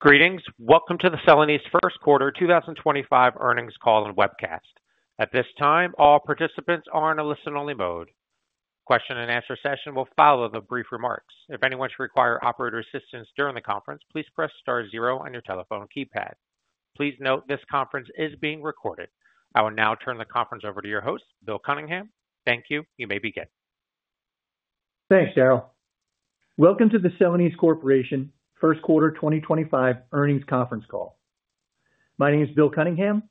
Greetings. Welcome to the Celanese First Quarter 2025 earnings call and webcast. At this time, all participants are in a listen-only mode. The question-and-answer session will follow the brief remarks. If anyone should require operator assistance during the conference, please press *zero on your telephone keypad. Please note this conference is being recorded. I will now turn the conference over to your host, Bill Cunningham. Thank you. You may begin. Thanks, Daryl. Welcome to the Celanese Corporation First Quarter 2025 earnings conference call. My name is Bill Cunningham,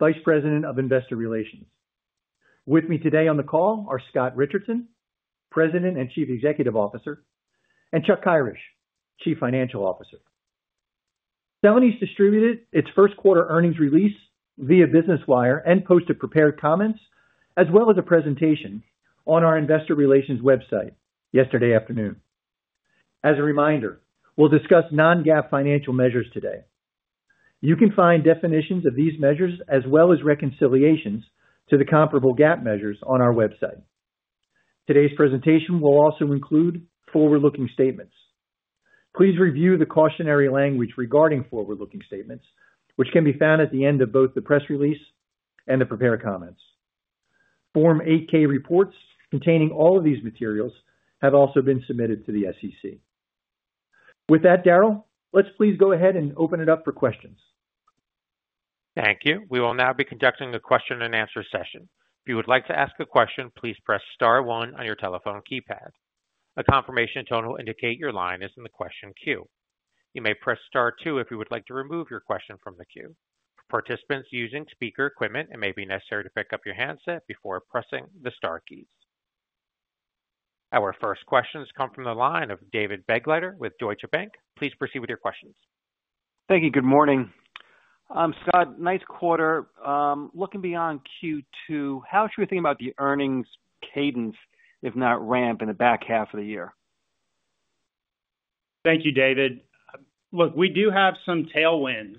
Vice President of Investor Relations. With me today on the call are Scott Richardson, President and Chief Executive Officer, and Chuck Kyrish, Chief Financial Officer. Celanese distributed its first quarter earnings release via Business Wire and posted prepared comments, as well as a presentation on our Investor Relations website yesterday afternoon. As a reminder, we'll discuss non-GAAP financial measures today. You can find definitions of these measures, as well as reconciliations to the comparable GAAP measures on our website. Today's presentation will also include forward-looking statements. Please review the cautionary language regarding forward-looking statements, which can be found at the end of both the press release and the prepared comments. Form 8-K reports containing all of these materials have also been submitted to the SEC. With that, Daryl, let's please go ahead and open it up for questions. Thank you. We will now be conducting a question-and-answer session. If you would like to ask a question, please press * one on your telephone keypad. A confirmation tone will indicate your line is in the question queue. You may press * two if you would like to remove your question from the queue. For participants using speaker equipment, it may be necessary to pick up your handset before pressing the * keys. Our first questions come from the line of David Begleiter with Deutsche Bank. Please proceed with your questions. Thank you. Good morning. I'm Scott. Ninth quarter, looking beyond Q2, how should we think about the earnings cadence, if not ramp, in the back half of the year? Thank you, David. Look, we do have some tailwinds,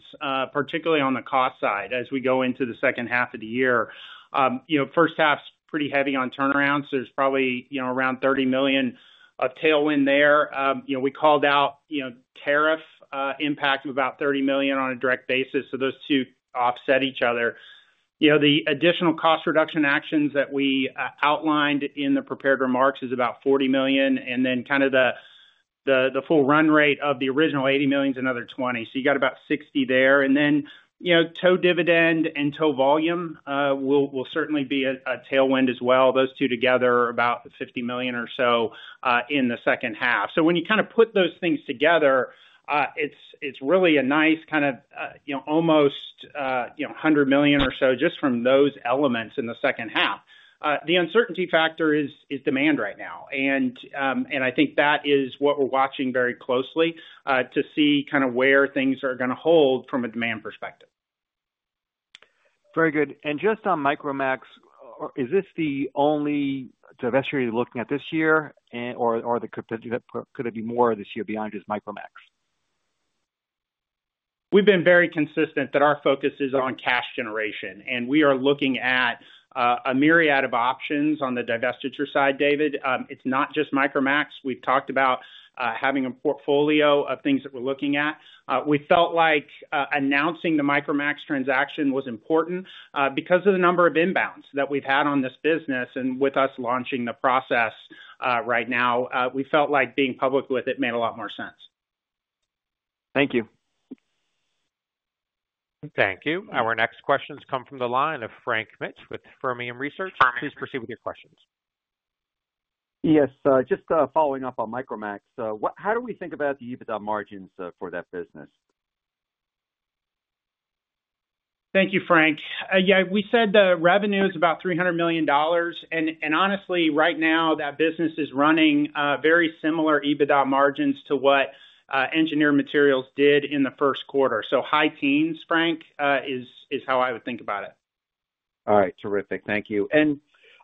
particularly on the cost side as we go into the second half of the year. First half is pretty heavy on turnaround, so there is probably around $30 million of tailwind there. We called out tariff impact of about $30 million on a direct basis, so those two offset each other. The additional cost reduction actions that we outlined in the prepared remarks is about $40 million, and then kind of the full run rate of the original $80 million is another $20 million, so you got about $60 million there. Total dividend and total volume will certainly be a tailwind as well. Those two together are about $50 million or so in the second half. When you kind of put those things together, it's really a nice kind of almost $100 million or so just from those elements in the second half. The uncertainty factor is demand right now, and I think that is what we're watching very closely to see kind of where things are going to hold from a demand perspective. Very good. Just on Micromax, is this the only divestiture you're looking at this year, or could it be more this year beyond just Micromax? We've been very consistent that our focus is on cash generation, and we are looking at a myriad of options on the divestiture side, David. It's not just Micromax. We've talked about having a portfolio of things that we're looking at. We felt like announcing the Micromax transaction was important because of the number of inbounds that we've had on this business, and with us launching the process right now, we felt like being public with it made a lot more sense. Thank you. Thank you. Our next questions come from the line of Frank Mitsch with Fermium Research. Please proceed with your questions. Yes. Just following up on Micromax, how do we think about the EBITDA margins for that business? Thank you, Frank. Yeah, we said the revenue is about $300 million, and honestly, right now that business is running very similar EBITDA margins to what Engineered Materials did in the first quarter. So high teens, Frank, is how I would think about it. All right. Terrific. Thank you.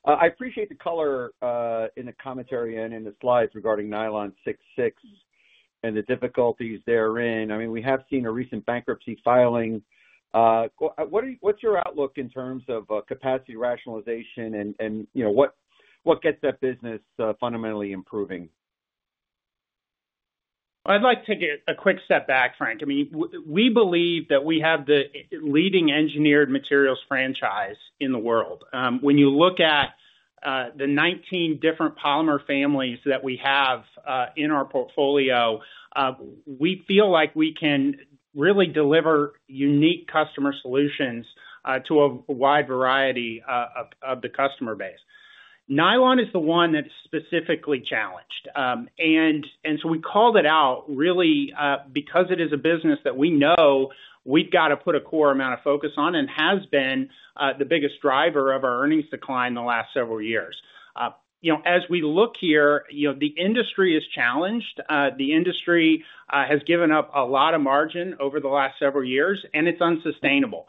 I appreciate the color in the commentary and in the slides regarding Nylon 66 and the difficulties therein. I mean, we have seen a recent bankruptcy filing. What's your outlook in terms of capacity rationalization and what gets that business fundamentally improving? I'd like to get a quick step back, Frank. I mean, we believe that we have the leading engineered materials franchise in the world. When you look at the 19 different polymer families that we have in our portfolio, we feel like we can really deliver unique customer solutions to a wide variety of the customer base. Nylon is the one that's specifically challenged, and so we called it out really because it is a business that we know we've got to put a core amount of focus on and has been the biggest driver of our earnings decline the last several years. As we look here, the industry is challenged. The industry has given up a lot of margin over the last several years, and it's unsustainable.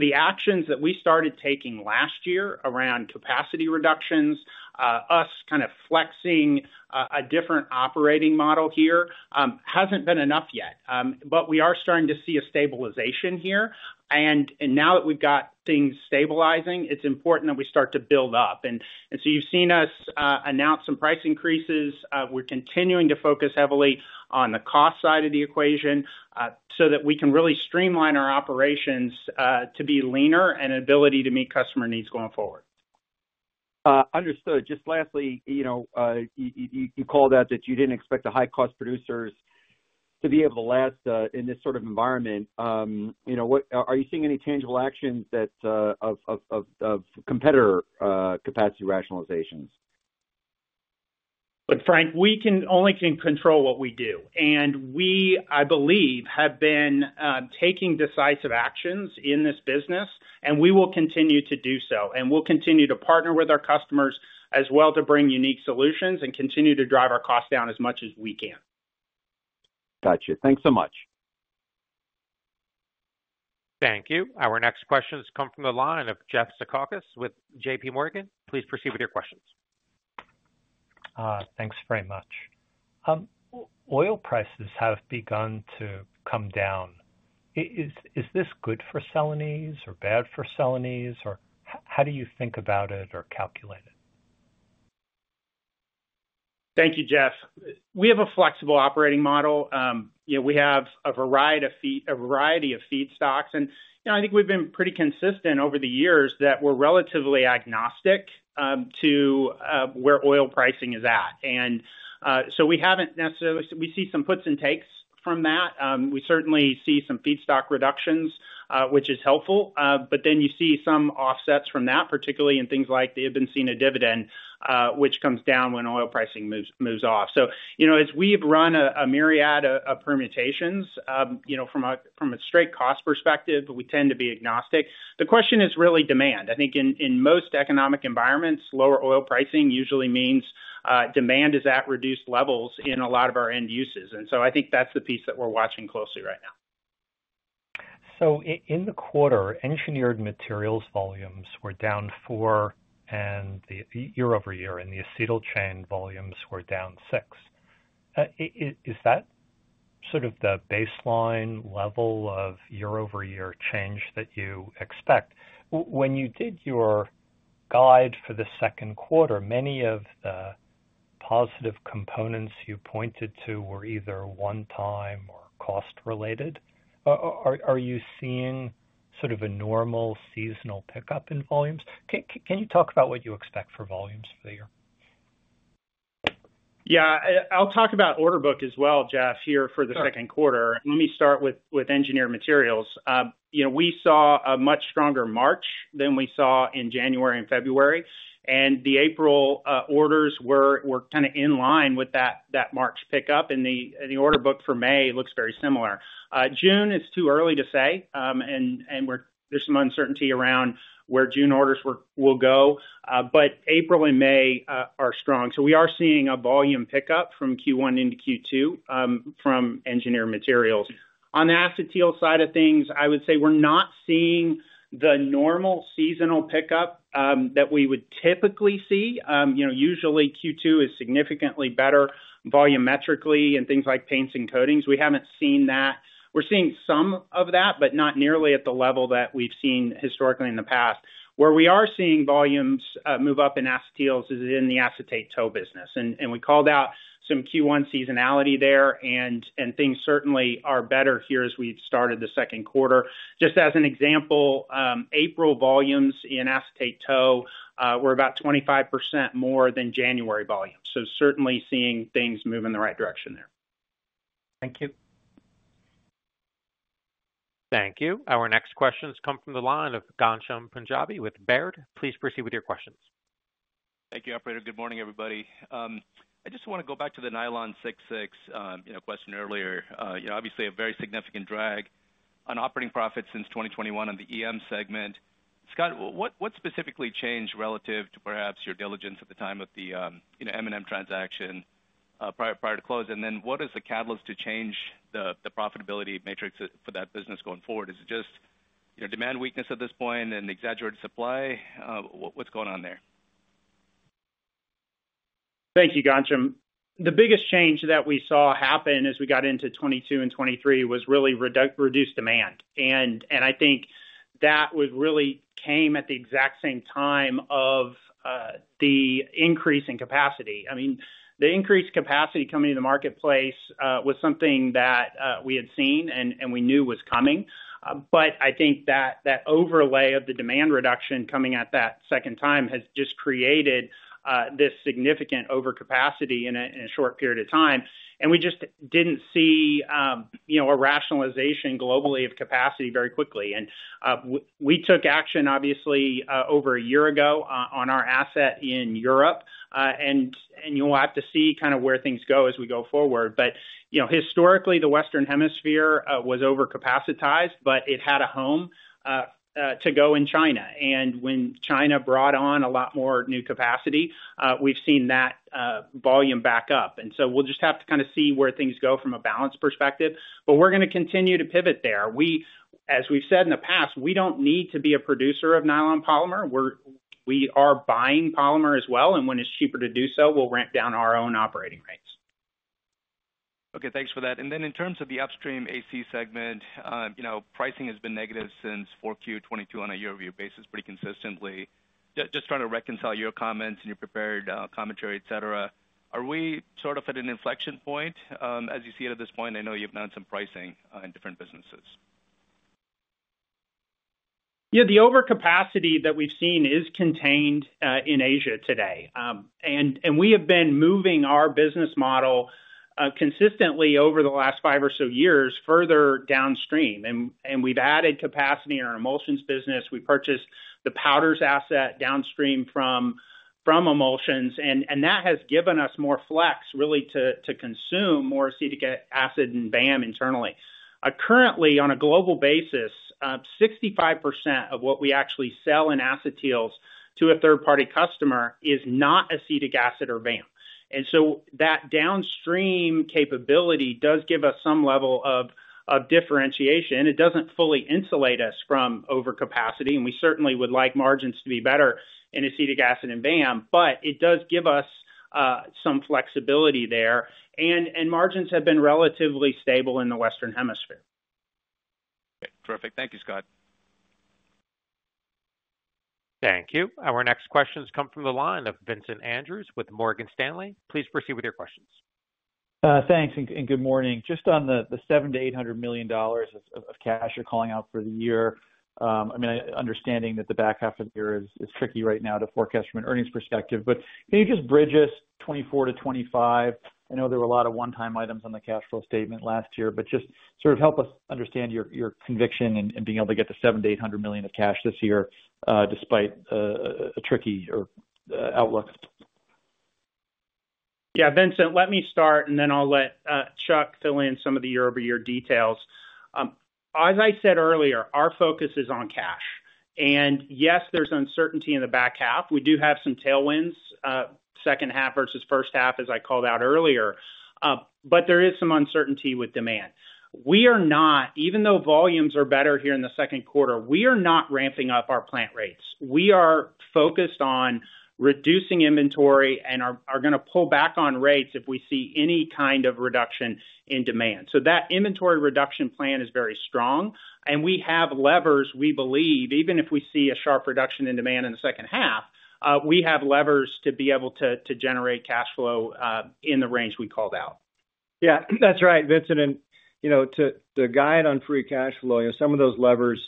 The actions that we started taking last year around capacity reductions, us kind of flexing a different operating model here has not been enough yet. We are starting to see a stabilization here, and now that we have things stabilizing, it is important that we start to build up. You have seen us announce some price increases. We are continuing to focus heavily on the cost side of the equation so that we can really streamline our operations to be leaner and have the ability to meet customer needs going forward. Understood. Just lastly, you called out that you didn't expect the high-cost producers to be able to last in this sort of environment. Are you seeing any tangible actions of competitor capacity rationalizations? Look, Frank, we can only control what we do, and we, I believe, have been taking decisive actions in this business, and we will continue to do so. We will continue to partner with our customers as well to bring unique solutions and continue to drive our costs down as much as we can. Gotcha. Thanks so much. Thank you. Our next questions come from the line of Jeff Sutton with J.P. Morgan. Please proceed with your questions. Thanks very much. Oil prices have begun to come down. Is this good for Celanese or bad for Celanese, or how do you think about it or calculate it? Thank you, Jeff. We have a flexible operating model. We have a variety of feedstocks, and I think we've been pretty consistent over the years that we're relatively agnostic to where oil pricing is at. We haven't necessarily seen some puts and takes from that. We certainly see some feedstock reductions, which is helpful, but then you see some offsets from that, particularly in things like the EBITDA in a dividend, which comes down when oil pricing moves off. As we've run a myriad of permutations from a straight cost perspective, we tend to be agnostic. The question is really demand. I think in most economic environments, lower oil pricing usually means demand is at reduced levels in a lot of our end uses. I think that's the piece that we're watching closely right now. In the quarter, engineered materials volumes were down 4% year over year, and the acetyl chain volumes were down 6%. Is that sort of the baseline level of year over year change that you expect? When you did your guide for the second quarter, many of the positive components you pointed to were either one-time or cost-related. Are you seeing sort of a normal seasonal pickup in volumes? Can you talk about what you expect for volumes for the year? Yeah. I'll talk about order book as well, Jeff, here for the second quarter. Let me start with engineered materials. We saw a much stronger March than we saw in January and February, and the April orders were kind of in line with that March pickup, and the order book for May looks very similar. June is too early to say, and there's some uncertainty around where June orders will go, but April and May are strong. We are seeing a volume pickup from Q1 into Q2 from engineered materials. On the acetyl side of things, I would say we're not seeing the normal seasonal pickup that we would typically see. Usually, Q2 is significantly better volumetrically in things like paints and coatings. We haven't seen that. We're seeing some of that, but not nearly at the level that we've seen historically in the past. Where we are seeing volumes move up in acetyls is in the acetate tow business, and we called out some Q1 seasonality there, and things certainly are better here as we started the second quarter. Just as an example, April volumes in acetate tow were about 25% more than January volumes, so certainly seeing things move in the right direction there. Thank you. Thank you. Our next questions come from the line of Ghansham Panjabi with Baird. Please proceed with your questions. Thank you, Operator. Good morning, everybody. I just want to go back to the Nylon 66 question earlier. Obviously, a very significant drag on operating profits since 2021 on the EM segment. Scott, what specifically changed relative to perhaps your diligence at the time of the M&M transaction prior to close, and then what is the catalyst to change the profitability matrix for that business going forward? Is it just demand weakness at this point and exaggerated supply? What's going on there? Thank you, Ghansham. The biggest change that we saw happen as we got into 2022 and 2023 was really reduced demand, and I think that really came at the exact same time of the increase in capacity. I mean, the increased capacity coming into the marketplace was something that we had seen and we knew was coming, but I think that overlay of the demand reduction coming at that second time has just created this significant overcapacity in a short period of time, and we just did not see a rationalization globally of capacity very quickly. We took action, obviously, over a year ago on our asset in Europe, and you will have to see kind of where things go as we go forward. Historically, the Western Hemisphere was overcapacitized, but it had a home to go in China, and when China brought on a lot more new capacity, we've seen that volume back up. We will just have to kind of see where things go from a balance perspective, but we're going to continue to pivot there. As we've said in the past, we don't need to be a producer of nylon polymer. We are buying polymer as well, and when it's cheaper to do so, we'll ramp down our own operating rates. Okay. Thanks for that. In terms of the upstream AC segment, pricing has been negative since Q4 2022 on a year-over-year basis pretty consistently. Just trying to reconcile your comments and your prepared commentary, etc. Are we sort of at an inflection point as you see it at this point? I know you've announced some pricing in different businesses. Yeah. The overcapacity that we've seen is contained in Asia today, and we have been moving our business model consistently over the last five or so years further downstream, and we've added capacity in our emulsions business. We purchased the powders asset downstream from emulsions, and that has given us more flex really to consume more acetic acid and VAM internally. Currently, on a global basis, 65% of what we actually sell in acetyls to a third-party customer is not acetic acid or VAM. That downstream capability does give us some level of differentiation, and it doesn't fully insulate us from overcapacity, and we certainly would like margins to be better in acetic acid and VAM, but it does give us some flexibility there, and margins have been relatively stable in the Western Hemisphere. Terrific. Thank you, Scott. Thank you. Our next questions come from the line of Vincent Andrews with Morgan Stanley. Please proceed with your questions. Thanks, and good morning. Just on the $700-$800 million of cash you're calling out for the year, I mean, understanding that the back half of the year is tricky right now to forecast from an earnings perspective, but can you just bridge us '24 to '25? I know there were a lot of one-time items on the cash flow statement last year, but just sort of help us understand your conviction in being able to get the $700-$800 million of cash this year despite a tricky outlook. Yeah. Vincent, let me start, and then I'll let Chuck fill in some of the year-over-year details. As I said earlier, our focus is on cash, and yes, there's uncertainty in the back half. We do have some tailwinds, second half versus first half, as I called out earlier, but there is some uncertainty with demand. Even though volumes are better here in the second quarter, we are not ramping up our plant rates. We are focused on reducing inventory and are going to pull back on rates if we see any kind of reduction in demand. That inventory reduction plan is very strong, and we have levers, we believe, even if we see a sharp reduction in demand in the second half, we have levers to be able to generate cash flow in the range we called out. Yeah. That's right. Vincent, to guide on free cash flow, some of those levers,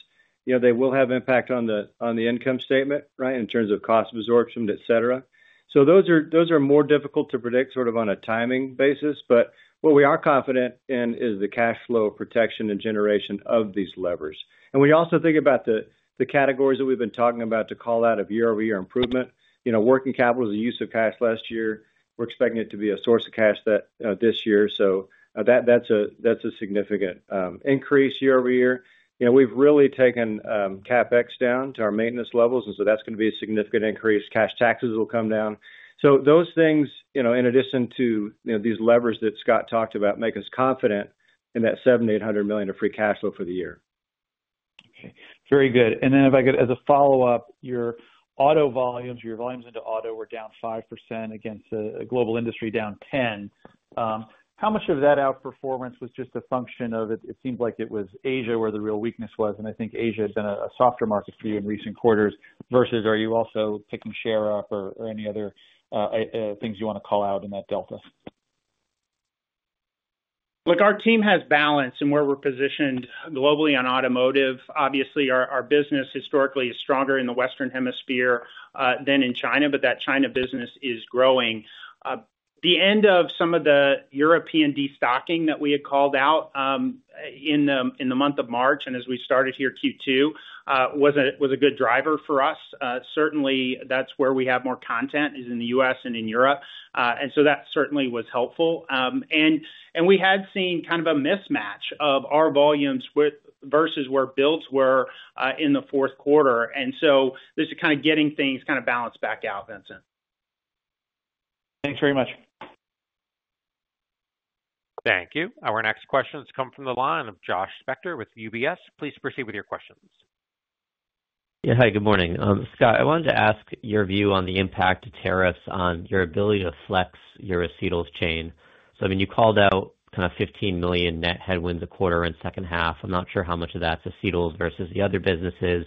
they will have impact on the income statement, right, in terms of cost absorption, etc. Those are more difficult to predict sort of on a timing basis, but what we are confident in is the cash flow protection and generation of these levers. When you also think about the categories that we've been talking about to call out of year-over-year improvement, working capital is a use of cash last year. We're expecting it to be a source of cash this year, so that's a significant increase year-over-year. We've really taken CapEx down to our maintenance levels, and that's going to be a significant increase. Cash taxes will come down. Those things, in addition to these levers that Scott talked about, make us confident in that $700-$800 million of free cash flow for the year. Okay. Very good. If I could, as a follow-up, your auto volumes, your volumes into auto were down 5% against a global industry down 10%. How much of that outperformance was just a function of it seemed like it was Asia where the real weakness was, and I think Asia had been a softer market for you in recent quarters versus are you also picking share up or any other things you want to call out in that delta? Look, our team has balance, and where we're positioned globally on automotive, obviously, our business historically is stronger in the Western Hemisphere than in China, but that China business is growing. The end of some of the European destocking that we had called out in the month of March and as we started here Q2 was a good driver for us. Certainly, that's where we have more content is in the U.S. and in Europe, and so that certainly was helpful. We had seen kind of a mismatch of our volumes versus where builds were in the fourth quarter, and so this is kind of getting things kind of balanced back out, Vincent. Thanks very much. Thank you. Our next questions come from the line of Josh Spector with UBS. Please proceed with your questions. Yeah. Hi, good morning. Scott, I wanted to ask your view on the impact of tariffs on your ability to flex your acetyls chain. I mean, you called out kind of $15 million net headwinds a quarter in second half. I'm not sure how much of that's acetyls versus the other businesses,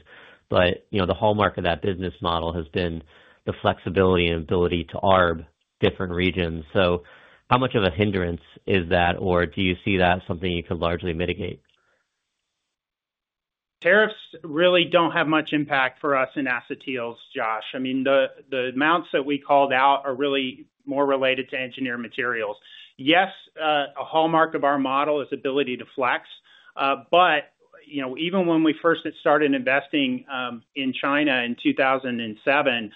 but the hallmark of that business model has been the flexibility and ability to arm different regions. How much of a hindrance is that, or do you see that as something you could largely mitigate? Tariffs really do not have much impact for us in acetyls, Josh. I mean, the amounts that we called out are really more related to engineered materials. Yes, a hallmark of our model is ability to flex, but even when we first started investing in China in 2007,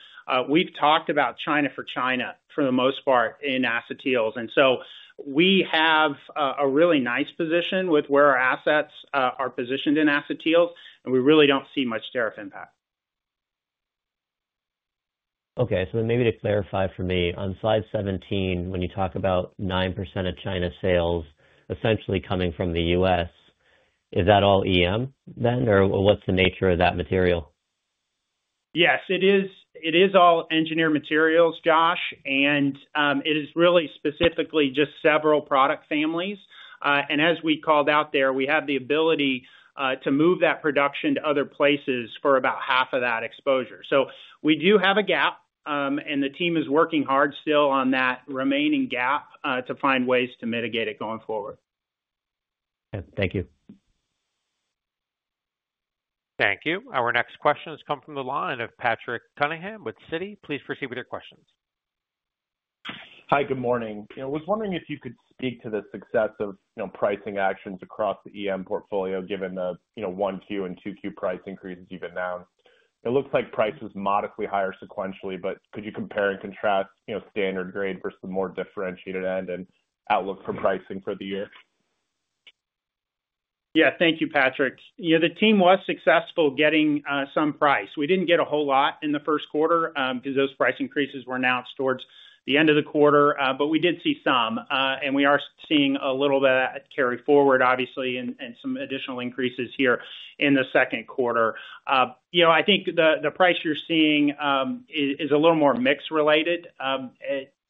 we have talked about China for China for the most part in acetyls, and so we have a really nice position with where our assets are positioned in acetyls, and we really do not see much tariff impact. Okay. So then maybe to clarify for me, on slide 17, when you talk about 9% of China sales essentially coming from the U.S., is that all EM then, or what's the nature of that material? Yes. It is all engineered materials, Josh, and it is really specifically just several product families. As we called out there, we have the ability to move that production to other places for about half of that exposure. We do have a gap, and the team is working hard still on that remaining gap to find ways to mitigate it going forward. Thank you. Thank you. Our next questions come from the line of Patrick Cunningham with Citi. Please proceed with your questions. Hi, good morning. I was wondering if you could speak to the success of pricing actions across the EM portfolio given the 1Q and 2Q price increases you've announced. It looks like price is modestly higher sequentially, but could you compare and contrast standard grade versus the more differentiated end and outlook for pricing for the year? Yeah. Thank you, Patrick. The team was successful getting some price. We did not get a whole lot in the first quarter because those price increases were announced towards the end of the quarter, but we did see some, and we are seeing a little of that carry forward, obviously, and some additional increases here in the second quarter. I think the price you are seeing is a little more mixed related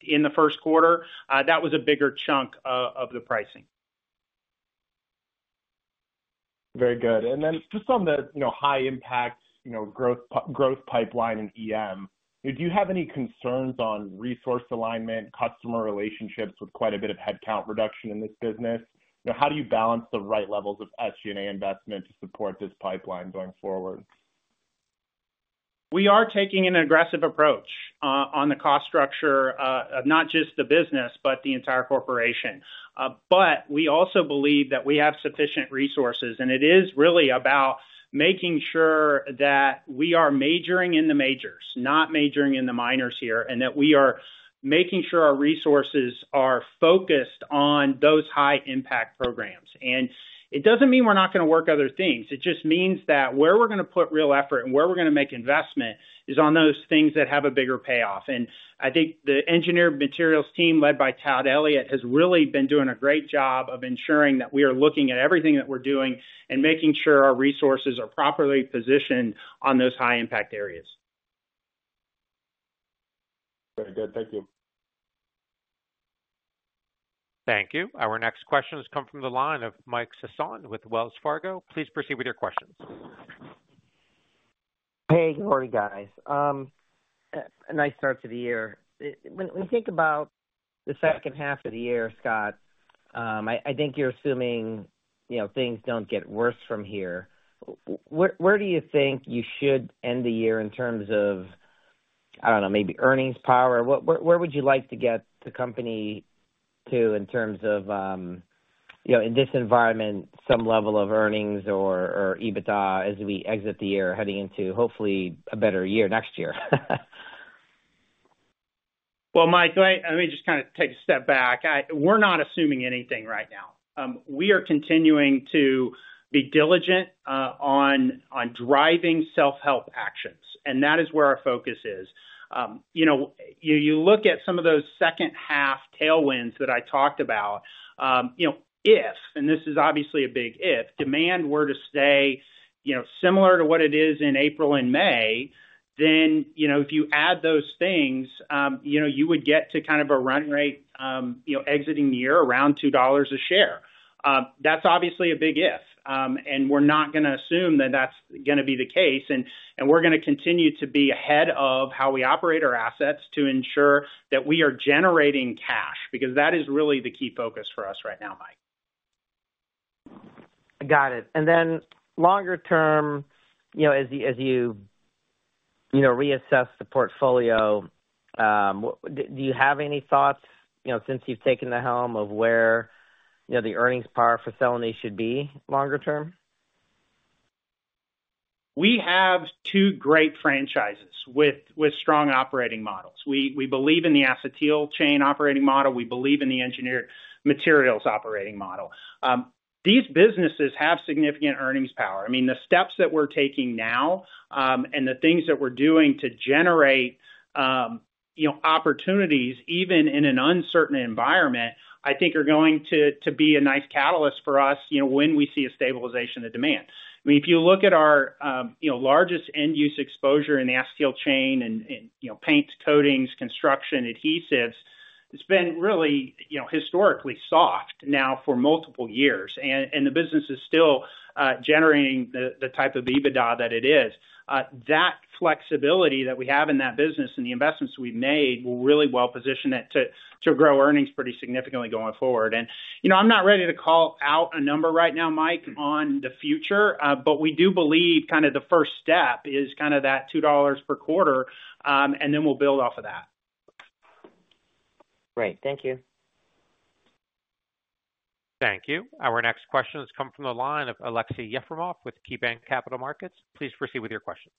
in the first quarter. That was a bigger chunk of the pricing. Very good. Just on the high-impact growth pipeline in EM, do you have any concerns on resource alignment, customer relationships with quite a bit of headcount reduction in this business? How do you balance the right levels of SG&A investment to support this pipeline going forward? We are taking an aggressive approach on the cost structure, not just the business, but the entire corporation, but we also believe that we have sufficient resources, and it is really about making sure that we are majoring in the majors, not majoring in the minors here, and that we are making sure our resources are focused on those high-impact programs. It does not mean we are not going to work other things. It just means that where we are going to put real effort and where we are going to make investment is on those things that have a bigger payoff. I think the engineered materials team led by Todd Elliott has really been doing a great job of ensuring that we are looking at everything that we are doing and making sure our resources are properly positioned on those high-impact areas. Very good. Thank you. Thank you. Our next questions come from the line of Mike Sison with Wells Fargo. Please proceed with your questions. Hey, good morning, guys. Nice start to the year. When you think about the second half of the year, Scott, I think you're assuming things don't get worse from here. Where do you think you should end the year in terms of, I don't know, maybe earnings power? Where would you like to get the company to in terms of, in this environment, some level of earnings or EBITDA as we exit the year heading into, hopefully, a better year next year? Mike, let me just kind of take a step back. We're not assuming anything right now. We are continuing to be diligent on driving self-help actions, and that is where our focus is. You look at some of those second half tailwinds that I talked about, if, and this is obviously a big if, demand were to stay similar to what it is in April and May, then if you add those things, you would get to kind of a run rate exiting the year around $2 a share. That's obviously a big if, and we're not going to assume that that's going to be the case, and we're going to continue to be ahead of how we operate our assets to ensure that we are generating cash because that is really the key focus for us right now, Mike. Got it. Then longer term, as you reassess the portfolio, do you have any thoughts since you've taken the helm of where the earnings power for Celanese should be longer term? We have two great franchises with strong operating models. We believe in the acetyl chain operating model. We believe in the engineered materials operating model. These businesses have significant earnings power. I mean, the steps that we're taking now and the things that we're doing to generate opportunities, even in an uncertain environment, I think are going to be a nice catalyst for us when we see a stabilization of demand. I mean, if you look at our largest end-use exposure in the acetyl chain in paints, coatings, construction, adhesives, it's been really historically soft now for multiple years, and the business is still generating the type of EBITDA that it is. That flexibility that we have in that business and the investments we've made will really well position it to grow earnings pretty significantly going forward. I'm not ready to call out a number right now, Mike, on the future, but we do believe kind of the first step is kind of that $2 per quarter, and then we'll build off of that. Great. Thank you. Thank you. Our next questions come from the line of Aleksey Yefremov with KeyBanc Capital Markets. Please proceed with your questions.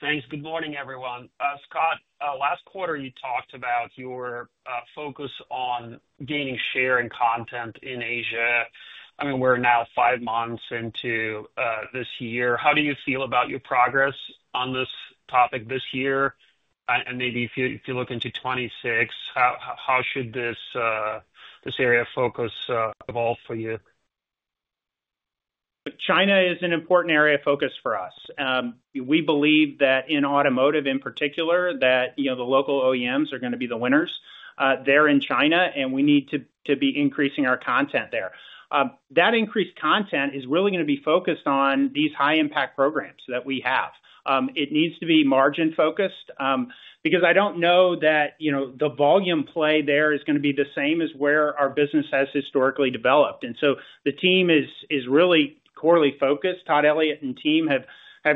Thanks. Good morning, everyone. Scott, last quarter, you talked about your focus on gaining share and content in Asia. I mean, we're now five months into this year. How do you feel about your progress on this topic this year? And maybe if you look into 2026, how should this area of focus evolve for you? China is an important area of focus for us. We believe that in automotive in particular, that the local OEMs are going to be the winners. They're in China, and we need to be increasing our content there. That increased content is really going to be focused on these high-impact programs that we have. It needs to be margin-focused because I don't know that the volume play there is going to be the same as where our business has historically developed. The team is really quarterly focused. Todd Elliott and team have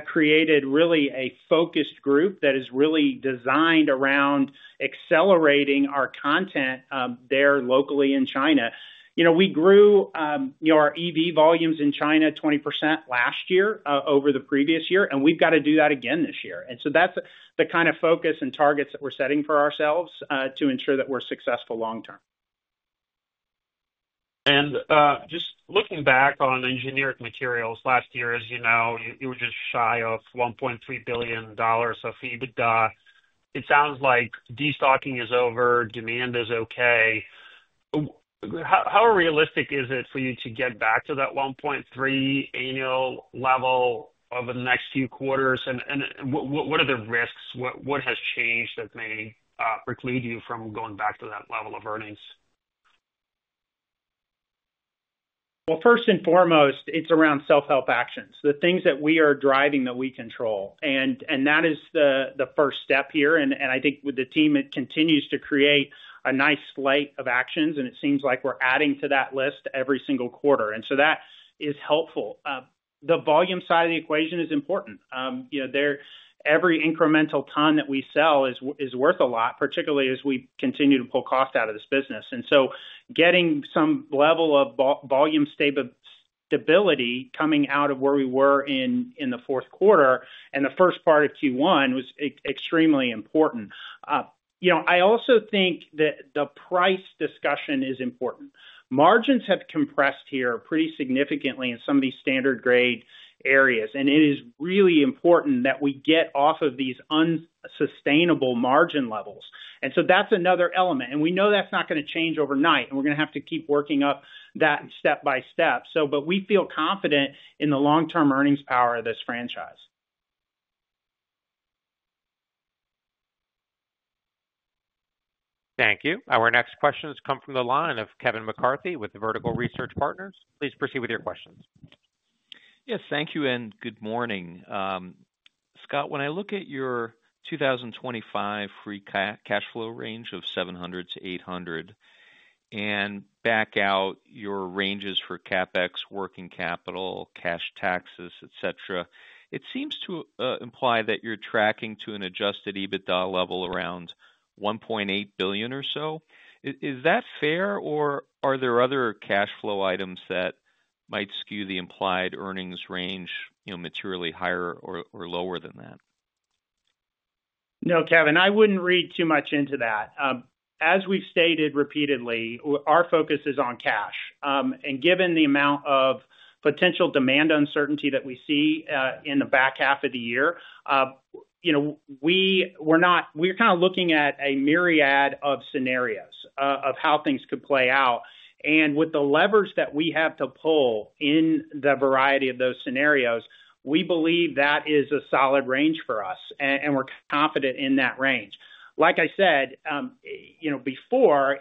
created really a focused group that is really designed around accelerating our content there locally in China. We grew our EV volumes in China 20% last year over the previous year, and we've got to do that again this year. That's the kind of focus and targets that we're setting for ourselves to ensure that we're successful long term. Just looking back on engineered materials last year, as you know, you were just shy of $1.3 billion of EBITDA. It sounds like destocking is over. Demand is okay. How realistic is it for you to get back to that $1.3 billion annual level over the next few quarters? What are the risks? What has changed that may preclude you from going back to that level of earnings? First and foremost, it's around self-help actions, the things that we are driving that we control. That is the first step here. I think with the team, it continues to create a nice slate of actions, and it seems like we're adding to that list every single quarter. That is helpful. The volume side of the equation is important. Every incremental ton that we sell is worth a lot, particularly as we continue to pull cost out of this business. Getting some level of volume stability coming out of where we were in the fourth quarter and the first part of Q1 was extremely important. I also think that the price discussion is important. Margins have compressed here pretty significantly in some of these standard grade areas, and it is really important that we get off of these unsustainable margin levels. That is another element. We know that is not going to change overnight, and we are going to have to keep working up that step by step. We feel confident in the long-term earnings power of this franchise. Thank you. Our next questions come from the line of Kevin McCarthy with Vertical Research Partners. Please proceed with your questions. Yes. Thank you and good morning. Scott, when I look at your 2025 free cash flow range of $700 million-$800 million and back out your ranges for CapEx, working capital, cash taxes, etc., it seems to imply that you're tracking to an adjusted EBITDA level around $1.8 billion or so. Is that fair, or are there other cash flow items that might skew the implied earnings range materially higher or lower than that? No, Kevin. I would not read too much into that. As we have stated repeatedly, our focus is on cash. Given the amount of potential demand uncertainty that we see in the back half of the year, we are kind of looking at a myriad of scenarios of how things could play out. With the levers that we have to pull in the variety of those scenarios, we believe that is a solid range for us, and we are confident in that range. Like I said before,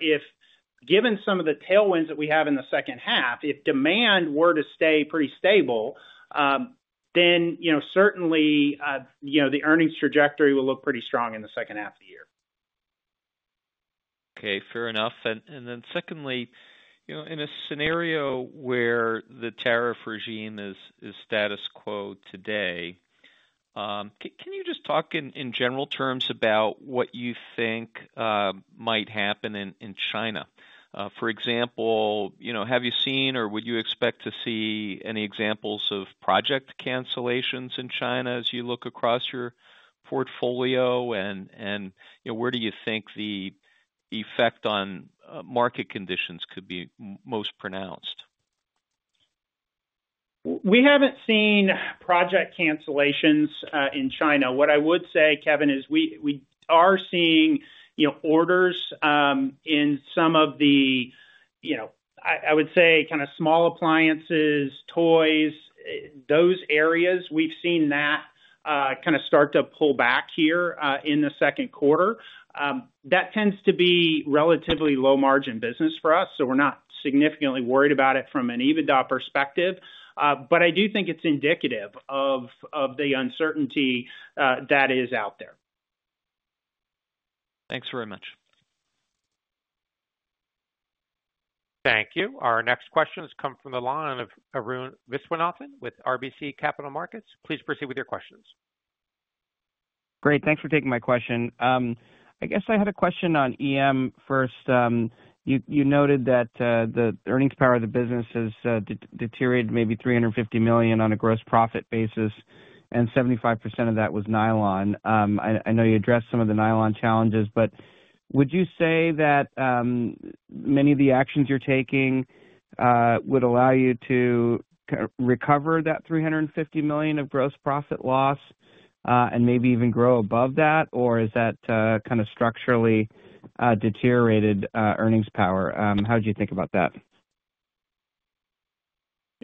given some of the tailwinds that we have in the second half, if demand were to stay pretty stable, then certainly the earnings trajectory will look pretty strong in the second half of the year. Okay. Fair enough. Then secondly, in a scenario where the tariff regime is status quo today, can you just talk in general terms about what you think might happen in China? For example, have you seen or would you expect to see any examples of project cancellations in China as you look across your portfolio? Where do you think the effect on market conditions could be most pronounced? We haven't seen project cancellations in China. What I would say, Kevin, is we are seeing orders in some of the, I would say, kind of small appliances, toys, those areas. We've seen that kind of start to pull back here in the second quarter. That tends to be relatively low-margin business for us, so we're not significantly worried about it from an EBITDA perspective. I do think it's indicative of the uncertainty that is out there. Thanks very much. Thank you. Our next questions come from the line of Arun Viswanathan with RBC Capital Markets. Please proceed with your questions. Great. Thanks for taking my question. I guess I had a question on EM first. You noted that the earnings power of the business has deteriorated maybe $350 million on a gross profit basis, and 75% of that was nylon. I know you addressed some of the nylon challenges, but would you say that many of the actions you're taking would allow you to recover that $350 million of gross profit loss and maybe even grow above that, or is that kind of structurally deteriorated earnings power? How do you think about that?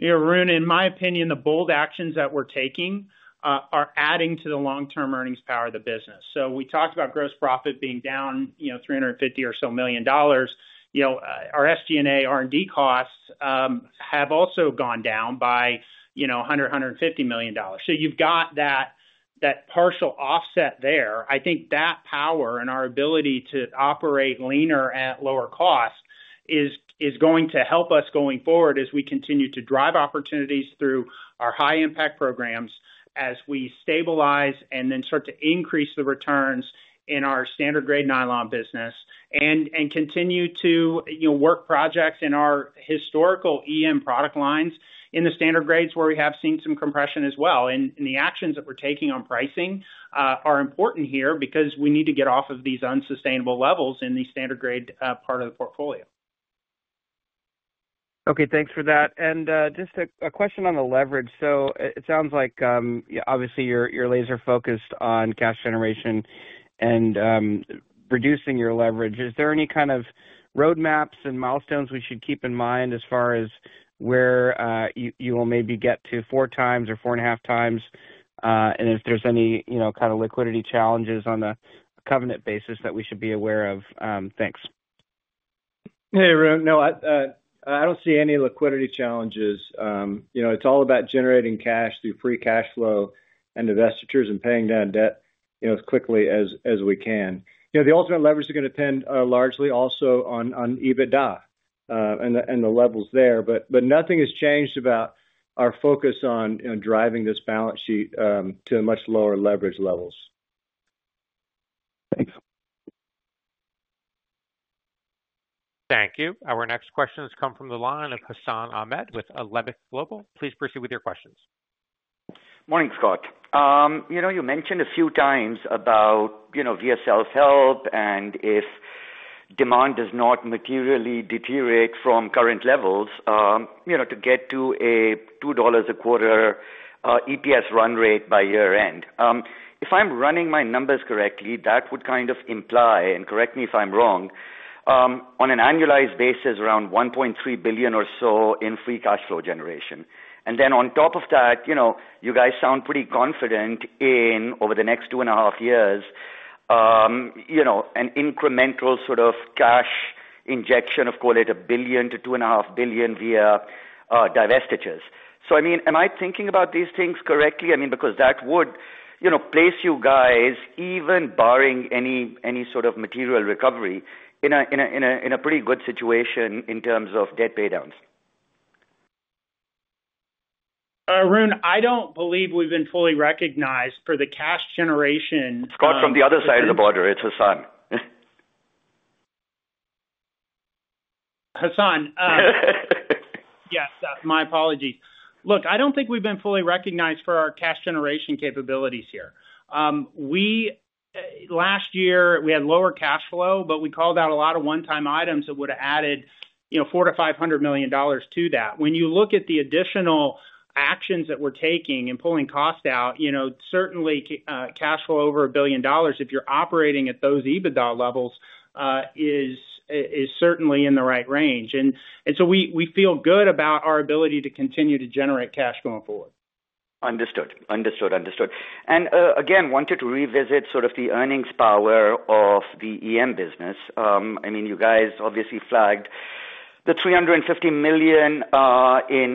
Arun, in my opinion, the bold actions that we're taking are adding to the long-term earnings power of the business. We talked about gross profit being down $350 million or so. Our SG&A R&D costs have also gone down by $100-$150 million. You have that partial offset there. I think that power and our ability to operate leaner at lower cost is going to help us going forward as we continue to drive opportunities through our high-impact programs as we stabilize and then start to increase the returns in our standard grade nylon business and continue to work projects in our historical EM product lines in the standard grades where we have seen some compression as well. The actions that we're taking on pricing are important here because we need to get off of these unsustainable levels in the standard grade part of the portfolio. Okay. Thanks for that. Just a question on the leverage. It sounds like obviously you're laser-focused on cash generation and reducing your leverage. Is there any kind of roadmaps and milestones we should keep in mind as far as where you will maybe get to four times or four and a half times? If there's any kind of liquidity challenges on a covenant basis that we should be aware of? Thanks. Hey, Arun. No, I don't see any liquidity challenges. It's all about generating cash through free cash flow and investitures and paying down debt as quickly as we can. The ultimate leverage is going to depend largely also on EBITDA and the levels there. Nothing has changed about our focus on driving this balance sheet to much lower leverage levels. Thanks. Thank you. Our next questions come from the line of Hassan Ahmed with Alembic Global. Please proceed with your questions. Morning, Scott. You mentioned a few times about VSL help and if demand does not materially deteriorate from current levels to get to a $2 a quarter EPS run rate by year-end. If I'm running my numbers correctly, that would kind of imply, and correct me if I'm wrong, on an annualized basis around $1.3 billion or so in free cash flow generation. And then on top of that, you guys sound pretty confident in over the next two and a half years, an incremental sort of cash injection of, call it $1 billion-$2.5 billion via divestitures. I mean, am I thinking about these things correctly? I mean, because that would place you guys, even barring any sort of material recovery, in a pretty good situation in terms of debt paydowns. Arun, I don't believe we've been fully recognized for the cash generation. Scott from the other side of the border. It's Hassan. Hassan. Yes, my apologies. Look, I do not think we have been fully recognized for our cash generation capabilities here. Last year, we had lower cash flow, but we called out a lot of one-time items that would have added $400 million-$500 million to that. When you look at the additional actions that we are taking and pulling cost out, certainly cash flow over $1 billion, if you are operating at those EBITDA levels, is certainly in the right range. We feel good about our ability to continue to generate cash going forward. Understood. And again, wanted to revisit sort of the earnings power of the EM business. I mean, you guys obviously flagged the $350 million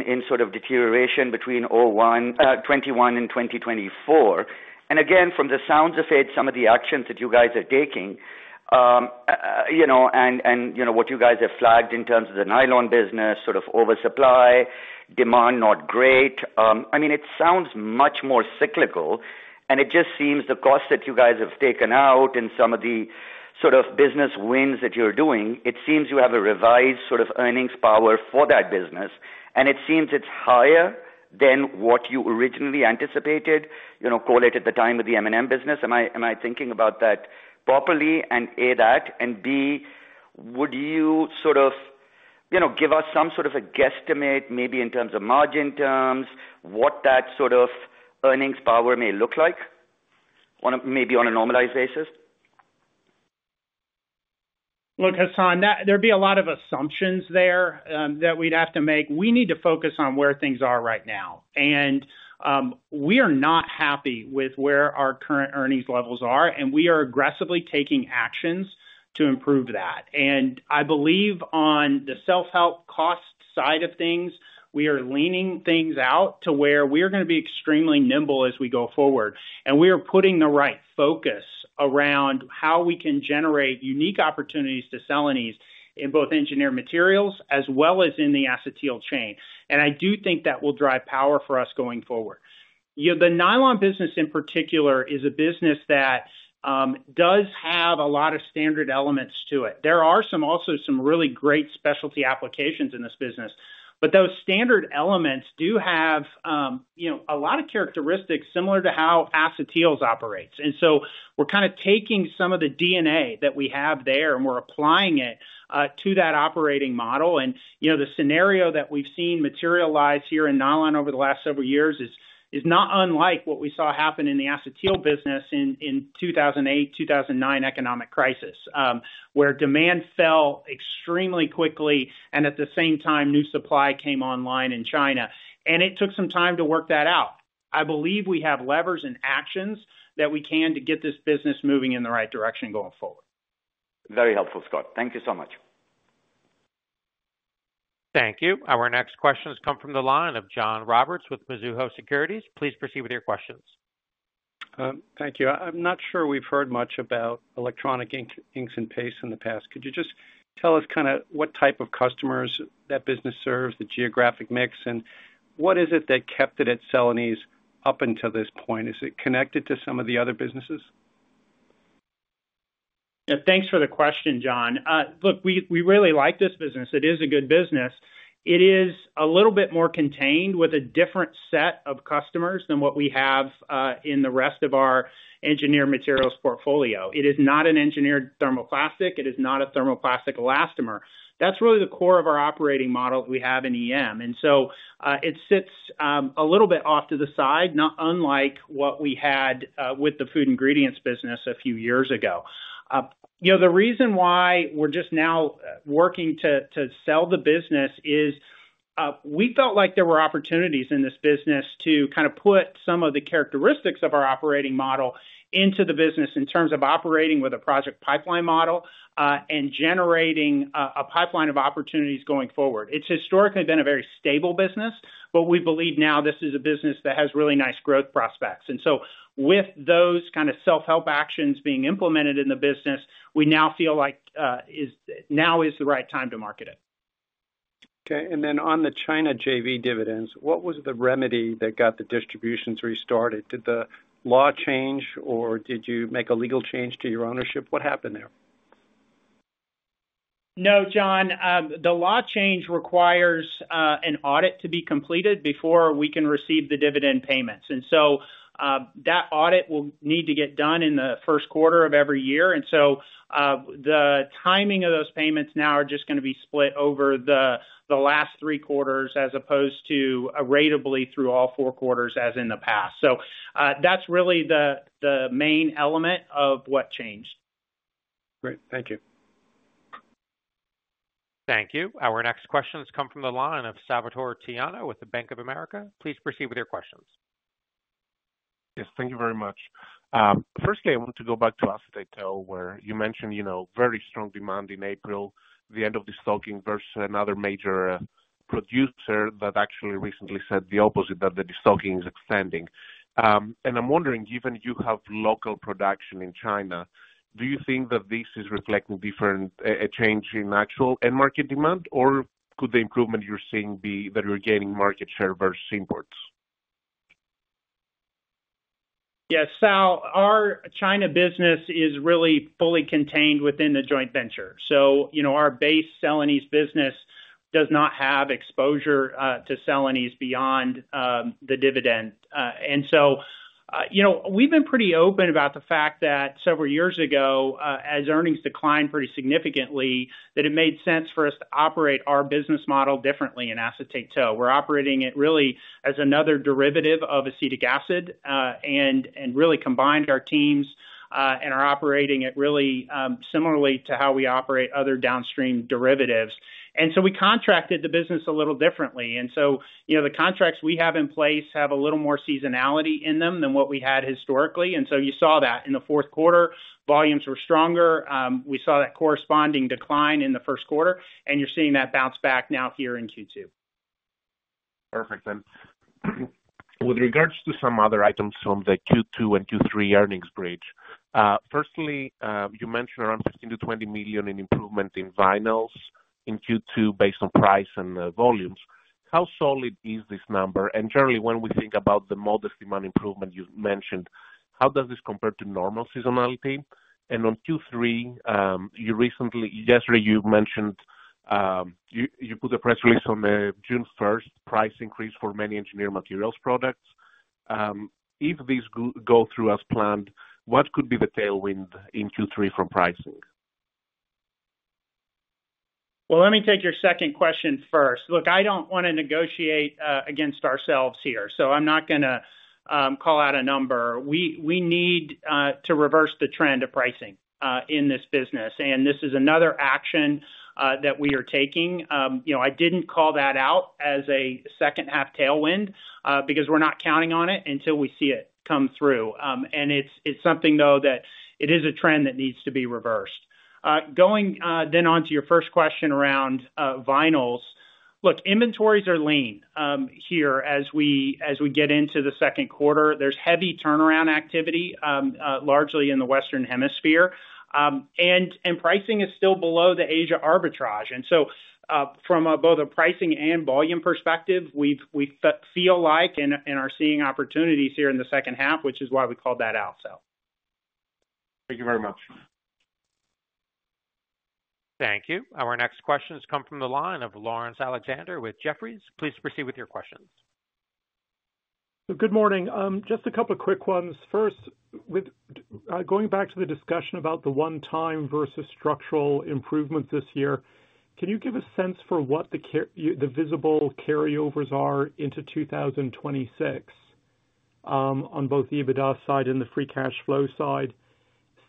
in sort of deterioration between 2021 and 2024. And again, from the sounds of it, some of the actions that you guys are taking and what you guys have flagged in terms of the nylon business, sort of oversupply, demand not great. I mean, it sounds much more cyclical, and it just seems the cost that you guys have taken out and some of the sort of business wins that you're doing, it seems you have a revised sort of earnings power for that business. And it seems it's higher than what you originally anticipated, call it at the time of the M&M business. Am I thinking about that properly? And A, that. Would you sort of give us some sort of a guesstimate maybe in terms of margin terms, what that sort of earnings power may look like maybe on a normalized basis? Look, Hassan, there'd be a lot of assumptions there that we'd have to make. We need to focus on where things are right now. We are not happy with where our current earnings levels are, and we are aggressively taking actions to improve that. I believe on the self-help cost side of things, we are leaning things out to where we are going to be extremely nimble as we go forward. We are putting the right focus around how we can generate unique opportunities to Celanese in both engineered materials as well as in the acetyl chain. I do think that will drive power for us going forward. The nylon business in particular is a business that does have a lot of standard elements to it. There are also some really great specialty applications in this business, but those standard elements do have a lot of characteristics similar to how acetyls operates. We are kind of taking some of the DNA that we have there, and we are applying it to that operating model. The scenario that we have seen materialize here in nylon over the last several years is not unlike what we saw happen in the acetyl business in the 2008, 2009 economic crisis where demand fell extremely quickly and at the same time new supply came online in China. It took some time to work that out. I believe we have levers and actions that we can to get this business moving in the right direction going forward. Very helpful, Scott. Thank you so much. Thank you. Our next questions come from the line of John Roberts with Mizuho Securities. Please proceed with your questions. Thank you. I'm not sure we've heard much about electronic inks and pastes in the past. Could you just tell us kind of what type of customers that business serves, the geographic mix, and what is it that kept it at Celanese up until this point? Is it connected to some of the other businesses? Yeah. Thanks for the question, John. Look, we really like this business. It is a good business. It is a little bit more contained with a different set of customers than what we have in the rest of our engineered materials portfolio. It is not an engineered thermoplastic. It is not a thermoplastic elastomer. That is really the core of our operating model that we have in EM. It sits a little bit off to the side, not unlike what we had with the food ingredients business a few years ago. The reason why we are just now working to sell the business is we felt like there were opportunities in this business to kind of put some of the characteristics of our operating model into the business in terms of operating with a project pipeline model and generating a pipeline of opportunities going forward. It's historically been a very stable business, but we believe now this is a business that has really nice growth prospects. With those kind of self-help actions being implemented in the business, we now feel like now is the right time to market it. Okay. On the China JV dividends, what was the remedy that got the distributions restarted? Did the law change, or did you make a legal change to your ownership? What happened there? No, John. The law change requires an audit to be completed before we can receive the dividend payments. That audit will need to get done in the first quarter of every year. The timing of those payments now are just going to be split over the last three quarters as opposed to irratably through all four quarters as in the past. That is really the main element of what changed. Great. Thank you. Thank you. Our next questions come from the line of Salvator Tiano with Bank of America. Please proceed with your questions. Yes. Thank you very much. Firstly, I want to go back to acetyl where you mentioned very strong demand in April, the end of the stocking versus another major producer that actually recently said the opposite, that the stocking is extending. I'm wondering, given you have local production in China, do you think that this is reflecting a change in actual end market demand, or could the improvement you're seeing be that you're gaining market share versus imports? Yes. Our China business is really fully contained within the joint venture. Our base Celanese business does not have exposure to Celanese beyond the dividend. We have been pretty open about the fact that several years ago, as earnings declined pretty significantly, it made sense for us to operate our business model differently in acetyl. We are operating it really as another derivative of acetic acid and really combined our teams and are operating it really similarly to how we operate other downstream derivatives. We contracted the business a little differently. The contracts we have in place have a little more seasonality in them than what we had historically. You saw that in the fourth quarter, volumes were stronger. We saw that corresponding decline in the first quarter, and you are seeing that bounce back now here in Q2. Perfect. With regards to some other items from the Q2 and Q3 earnings bridge, firstly, you mentioned around $15 million-$20 million in improvement in vinyls in Q2 based on price and volumes. How solid is this number? Generally, when we think about the modest demand improvement you mentioned, how does this compare to normal seasonality? On Q3, yesterday you mentioned you put the press release on the June 1 price increase for many engineered materials products. If this goes through as planned, what could be the tailwind in Q3 from pricing? Let me take your second question first. Look, I do not want to negotiate against ourselves here, so I am not going to call out a number. We need to reverse the trend of pricing in this business. This is another action that we are taking. I did not call that out as a second half tailwind because we are not counting on it until we see it come through. It is something, though, that is a trend that needs to be reversed. Going then on to your first question around vinyls, inventories are lean here as we get into the second quarter. There is heavy turnaround activity largely in the Western Hemisphere, and pricing is still below the Asia arbitrage. From both a pricing and volume perspective, we feel like and are seeing opportunities here in the second half, which is why we called that out. Thank you very much. Thank you. Our next questions come from the line of Lawrence Alexander with Jefferies. Please proceed with your questions. Good morning. Just a couple of quick ones. First, going back to the discussion about the one-time versus structural improvements this year, can you give a sense for what the visible carryovers are into 2026 on both the EBITDA side and the free cash flow side?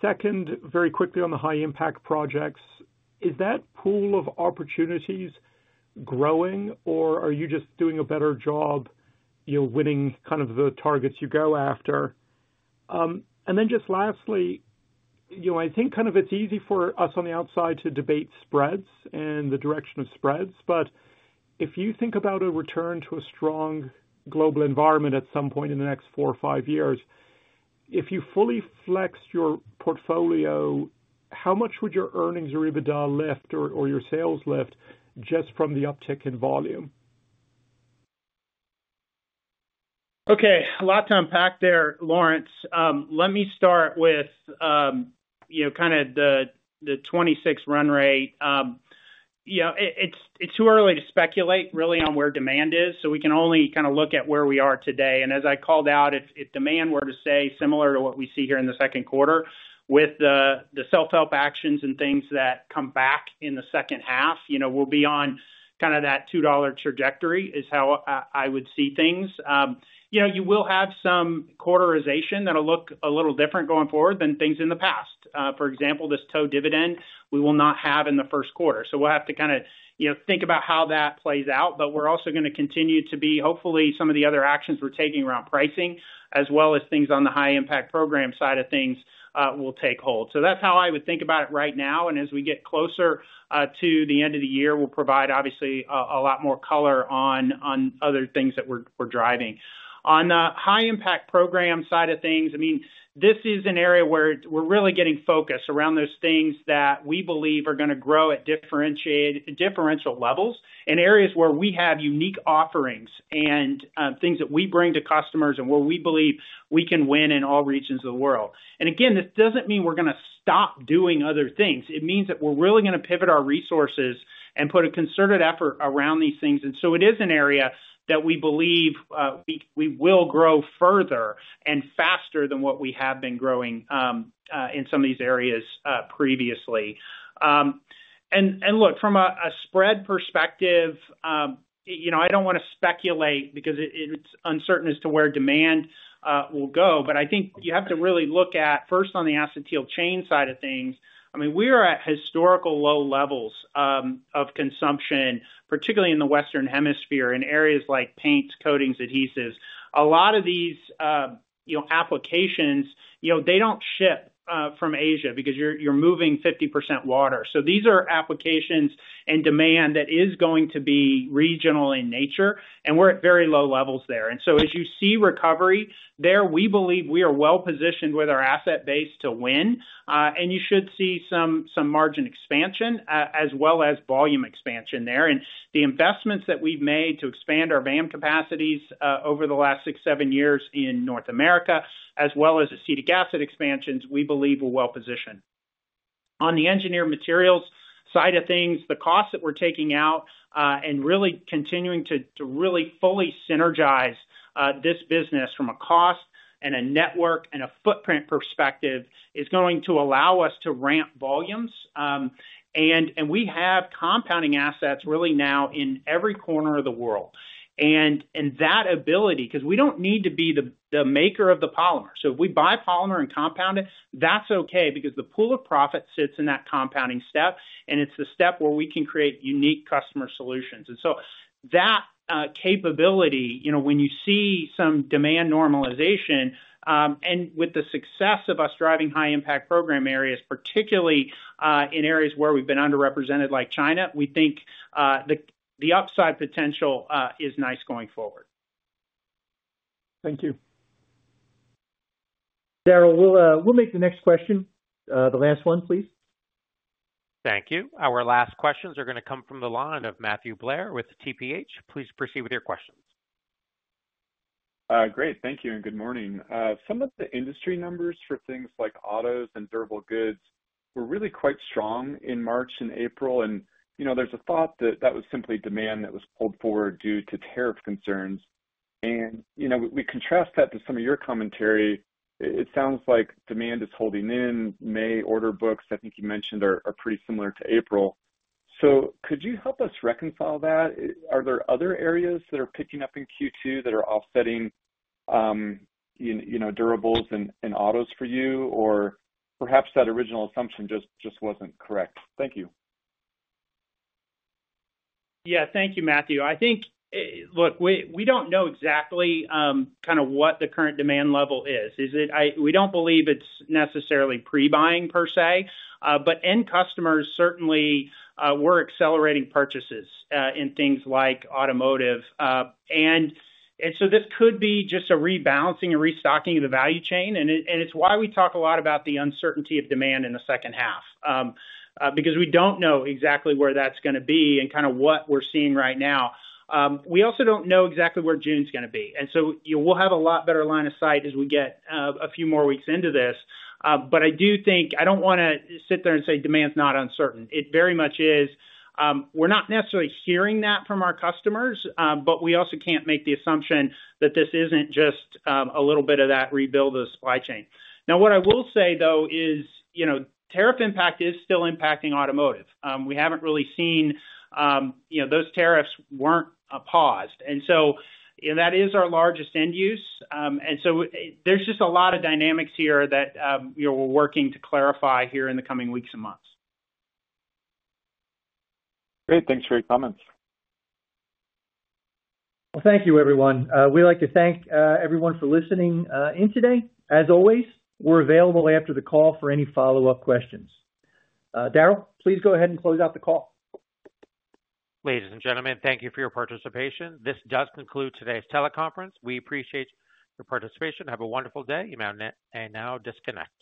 Second, very quickly on the high-impact projects, is that pool of opportunities growing, or are you just doing a better job winning kind of the targets you go after? Lastly, I think kind of it's easy for us on the outside to debate spreads and the direction of spreads. If you think about a return to a strong global environment at some point in the next four or five years, if you fully flex your portfolio, how much would your earnings or EBITDA lift or your sales lift just from the uptick in volume? Okay. A lot to unpack there, Lawrence. Let me start with kind of the 2026 run rate. It's too early to speculate really on where demand is. We can only kind of look at where we are today. As I called out, if demand were to stay similar to what we see here in the second quarter with the self-help actions and things that come back in the second half, we'll be on kind of that $2 trajectory is how I would see things. You will have some quarterization that will look a little different going forward than things in the past. For example, this tow dividend, we will not have in the first quarter. We'll have to kind of think about how that plays out. We're also going to continue to be, hopefully, some of the other actions we're taking around pricing as well as things on the high-impact program side of things will take hold. That's how I would think about it right now. As we get closer to the end of the year, we'll provide obviously a lot more color on other things that we're driving. On the high-impact program side of things, I mean, this is an area where we're really getting focused around those things that we believe are going to grow at differential levels in areas where we have unique offerings and things that we bring to customers and where we believe we can win in all regions of the world. Again, this doesn't mean we're going to stop doing other things. It means that we're really going to pivot our resources and put a concerted effort around these things. It is an area that we believe we will grow further and faster than what we have been growing in some of these areas previously. Look, from a spread perspective, I do not want to speculate because it is uncertain as to where demand will go. I think you have to really look at first on the acetyl chain side of things. I mean, we are at historical low levels of consumption, particularly in the Western Hemisphere in areas like paints, coatings, adhesives. A lot of these applications, they do not ship from Asia because you are moving 50% water. These are applications and demand that is going to be regional in nature, and we are at very low levels there. As you see recovery there, we believe we are well positioned with our asset base to win. You should see some margin expansion as well as volume expansion there. The investments that we have made to expand our VAM capacities over the last six or seven years in North America, as well as acetic acid expansions, we believe we are well positioned. On the engineered materials side of things, the costs that we are taking out and really continuing to fully synergize this business from a cost and a network and a footprint perspective is going to allow us to ramp volumes. We have compounding assets really now in every corner of the world. That ability, because we do not need to be the maker of the polymer. If we buy polymer and compound it, that's okay because the pool of profit sits in that compounding step, and it's the step where we can create unique customer solutions. That capability, when you see some demand normalization and with the success of us driving high-impact program areas, particularly in areas where we've been underrepresented like China, we think the upside potential is nice going forward. Thank you. Daryl, we'll make the next question the last one, please. Thank you. Our last questions are going to come from the line of Matthew Blair with TPH. Please proceed with your questions. Great. Thank you and good morning. Some of the industry numbers for things like autos and durable goods were really quite strong in March and April. There is a thought that that was simply demand that was pulled forward due to tariff concerns. We contrast that to some of your commentary. It sounds like demand is holding in. May order books, I think you mentioned, are pretty similar to April. Could you help us reconcile that? Are there other areas that are picking up in Q2 that are offsetting durables and autos for you, or perhaps that original assumption just was not correct? Thank you. Yeah. Thank you, Matthew. I think, look, we do not know exactly kind of what the current demand level is. We do not believe it is necessarily pre-buying per se, but end customers certainly were accelerating purchases in things like automotive. This could be just a rebalancing or restocking of the value chain. It is why we talk a lot about the uncertainty of demand in the second half because we do not know exactly where that is going to be and kind of what we are seeing right now. We also do not know exactly where June is going to be. We will have a lot better line of sight as we get a few more weeks into this. I do think I do not want to sit there and say demand is not uncertain. It very much is. We're not necessarily hearing that from our customers, but we also can't make the assumption that this isn't just a little bit of that rebuild of the supply chain. Now, what I will say, though, is tariff impact is still impacting automotive. We haven't really seen those tariffs weren't paused. That is our largest end use. There is just a lot of dynamics here that we're working to clarify here in the coming weeks and months. Great. Thanks for your comments. Thank you, everyone. We'd like to thank everyone for listening in today. As always, we're available after the call for any follow-up questions. Daryl, please go ahead and close out the call. Ladies and gentlemen, thank you for your participation. This does conclude today's teleconference. We appreciate your participation. Have a wonderful day. You may now disconnect.